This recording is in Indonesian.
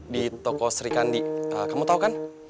di toko sri kandi kamu tau kan